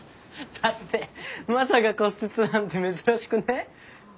だってマサが骨折なんて珍しくね？